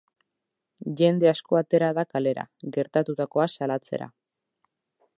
Jende asko atera da kalera, gertatutakoa salatzera.